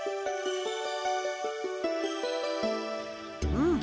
うん。